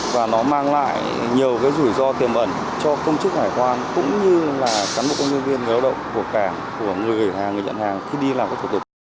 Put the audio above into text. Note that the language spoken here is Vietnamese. và nó mang lại nhiều cái rủi ro tiềm ẩn cho công chức hải quan cũng như là cán bộ công nhân viên người lao động của cảng của người gửi hàng người nhận hàng khi đi làm các thủ tục